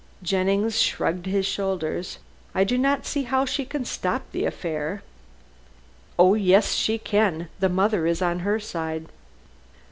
Jennings shrugged his shoulders. "I do not see how she can stop the affair." "Oh yes, she can. The mother is on her side."